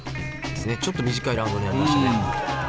ちょっと短いラウンドになりましたね。